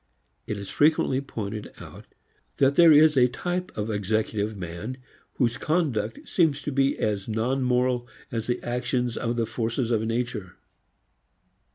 It is frequently pointed out that there is a type of executive man whose conduct seems to be as non moral as the action of the forces of nature.